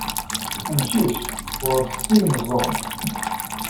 Amcic ɣer-s sin n yimeẓẓuɣen.